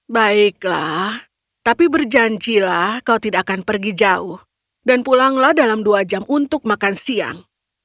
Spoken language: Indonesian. baiklah tapi berjanjilah kau tidak akan pergi jauh dan pulanglah dalam dua jam untuk makan siang